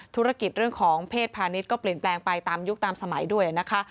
ธุรกิจเรื่องของเพศพาณิชย์ก็เปลี่ยนแปลงไปตามยุคตามสมัยด้วยนะคะ